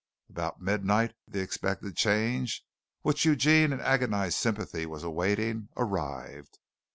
About midnight the expected change, which Eugene in agonized sympathy was awaiting, arrived.